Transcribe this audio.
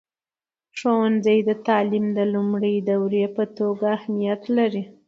ښوونځی د تعلیم د لومړني دور په توګه اهمیت لري.